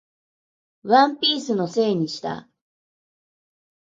ワンピースのせいにした